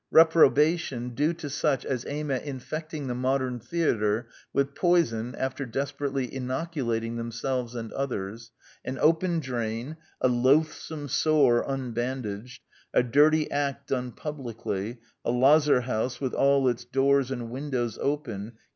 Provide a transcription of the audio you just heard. ... Reprobation due to such as aim at infecting the modern theatre with poison after desperately in oculating themselves and others. ..• An open drain; a loathsome sore unbandaged; a dirty act done publicly; a lazar house with all its doors and windows open.